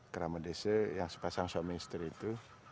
kerama desa yang sepasang suami istri itu